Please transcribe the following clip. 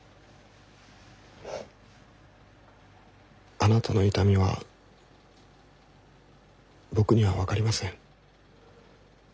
あなたの痛みは僕には分かりません。